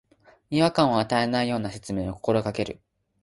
違和感を与えないような説明を心がける